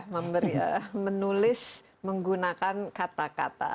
menulis menggunakan kata kata